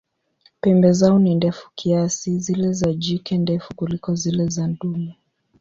Pembe zao ni ndefu kiasi, zile za jike ndefu kuliko zile za dume.